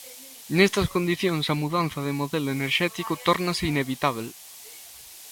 Nestas condicións a mudanza de modelo enerxético tórnase inevitábel.